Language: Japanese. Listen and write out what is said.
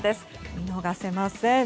見逃せません。